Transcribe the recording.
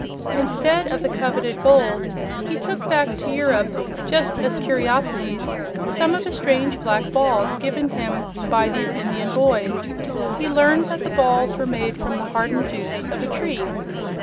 Instead of the coveted gold, he took back to Europe, just as curiosities, some of the strange black balls given him by these Indian boys. He learned that the balls were made from the hardened juice of a tree.